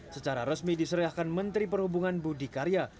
secara resmi diserahkan menteri perhubungan budi karya